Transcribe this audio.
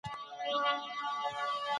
تابعداري د علم ځای نیسي.